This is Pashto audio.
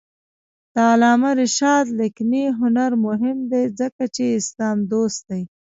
د علامه رشاد لیکنی هنر مهم دی ځکه چې اسلام دوست دی.